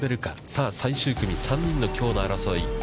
さあ最終組３人のきょうの争い。